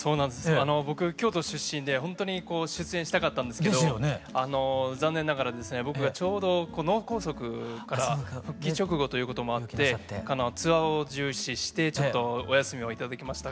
僕京都出身でほんとに出演したかったんですけど残念ながら僕がちょうど脳梗塞から復帰直後ということもあってツアーを重視してちょっとお休みを頂きました。